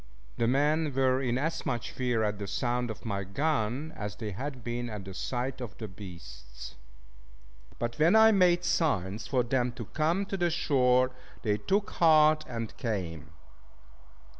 The men were in as much fear at the sound of my gun, as they had been at the sight of the beasts. But when I made signs for them to come to the shore, they took heart, and came.